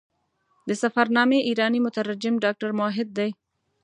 د سفرنامې ایرانی مترجم ډاکټر موحد دی.